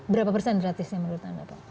berapa persen drastisnya menurut anda